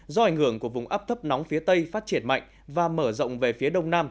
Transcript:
do ảnh hưởng của vùng áp thấp nóng phía tây phát triển mạnh và mở rộng về phía đông nam